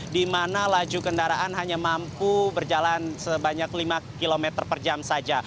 di mana laju kendaraan hanya mampu berjalan sebanyak lima km per jam saja